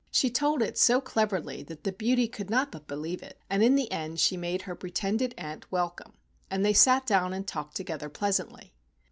She told it so cleverly that the beauty could not but believe it, and in the end she made her pretended aunt welcome, and they sat down and talked together pleasantly.